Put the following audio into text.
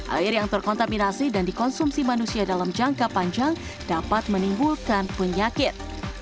air yang terkontaminasi dan dikonsumsi manusia dalam jangka panjang dapat menimbulkan penyakit